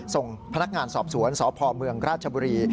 ส่งพนักงานสอบสวนสพเมืองราชบุรี